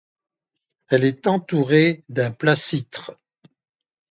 Elle est entourée d'un placître.